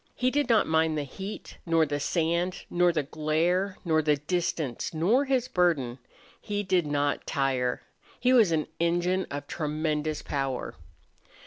He did not mind the heat nor the sand nor the glare nor the distance nor his burden. He did not tire. He was an engine of tremendous power.